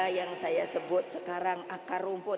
yang saya sebut sekarang akar rumput